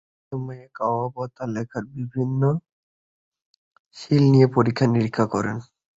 এই সময়ে, কাওয়াবাতা লেখার বিভিন্ন শৈলী নিয়ে পরীক্ষা-নিরীক্ষা করেন।